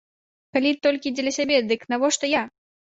Калі толькі дзеля сябе, дык навошта я?